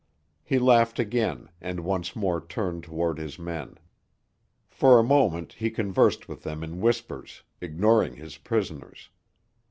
He laughed again, and once more turned toward his men. For a moment he conversed with them in whispers, ignoring his prisoners.